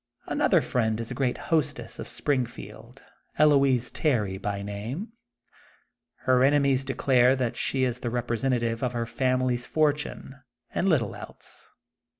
Another friend is a great hostess of Spring field, Eloise Terry, by name. Her enemies de clare that she is the representative of her family fortune, and little else.